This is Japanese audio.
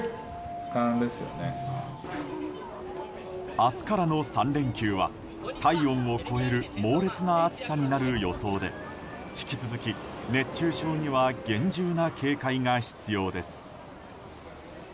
明日からの３連休は体温を超える猛烈な暑さになる予想で引き続き、熱中症には厳重な警戒が必要です。